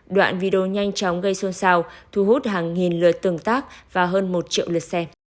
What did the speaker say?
đoạn video nhanh chóng gây xôn xao thu hút hàng nghìn lượt tường tác và hơn một triệu lượt xem